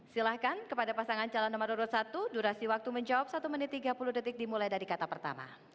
silahkan kepada pasangan calon nomor urut satu durasi waktu menjawab satu menit tiga puluh detik dimulai dari kata pertama